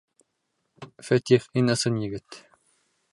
Фәтих, һин ысын егет!